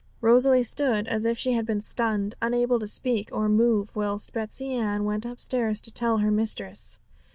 Rosalie stood as if she had been stunned, unable to speak or move, whilst Betsey Ann went upstairs to tell her mistress.